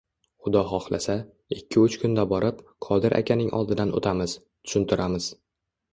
Xudo xohlasa, ikki uch kunda borib, Qodir akaning oldidan oʻtamiz, tushuntiramiz